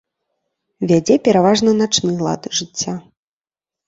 Вядзе пераважна начны лад жыцця.